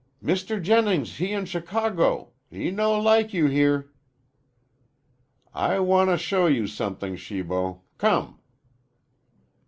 "Mr. Jennings he in Chicago. He no like you here." "I want to show you somethin', Shibo. Come."